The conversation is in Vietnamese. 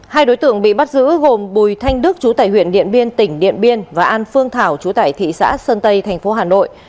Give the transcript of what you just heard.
hai đối tượng bị bắt giữ gồm bùi thanh đức chú tải huyện điện biên tỉnh điện biên và an phương thảo chú tại thị xã sơn tây thành phố hà nội